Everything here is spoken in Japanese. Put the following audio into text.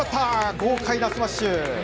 豪快なスマッシュ！